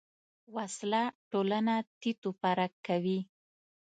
وسله ټولنه تیت و پرک کوي